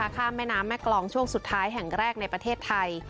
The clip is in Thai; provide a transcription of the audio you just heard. ข้ามแม่น้ำแม่กรองช่วงสุดท้ายแห่งแรกในประเทศไทย